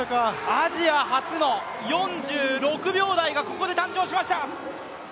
アジア初の４６秒台がここで誕生しました！